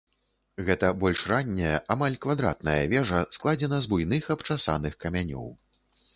Гэта больш ранняя, амаль квадратная вежа складзена з буйных абчасаных камянёў.